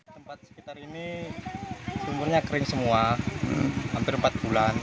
tempat sekitar ini sumurnya kering semua hampir empat bulan